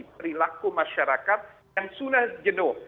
perilaku masyarakat yang sudah jenuh